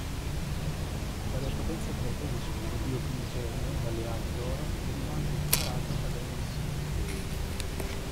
Quale potenza creatrice e dio primigenio, dalle ali d'oro, veniva anche equiparato ad Eros.